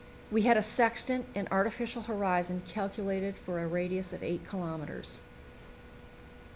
We had a sextant and artificial horizon calculated for a radius of 8 kilometres.